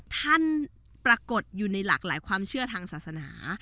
ปรากฏอยู่ในหลากหลายความเชื่อทางศาสนา